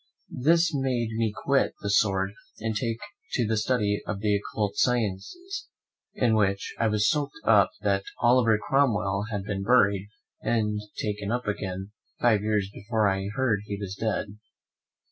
This made me quit the sword, and take to the study of the occult sciences, in which I was so wrapped up that Oliver Cromwell had been buried, and taken up again, five years before I heard he was dead.